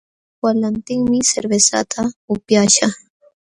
Walantinmi cervezata upyaśhaq